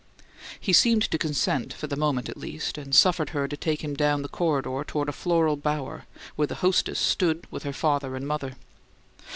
He seemed to consent, for the moment, at least, and suffered her to take him down the corridor toward a floral bower where the hostess stood with her father and mother.